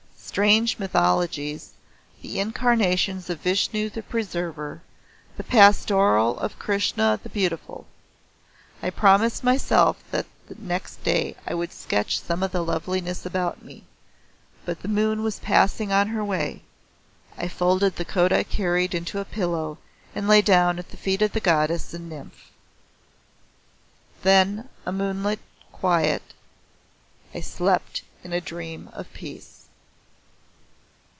Strange mythologies the incarnations of Vishnu the Preserver, the Pastoral of Krishna the Beautiful. I promised myself that next day I would sketch some of the loveliness about me. But the moon was passing on her way I folded the coat I carried into a pillow and lay down at the feet of the goddess and her nymph. Then a moonlit quiet I slept in a dream of peace.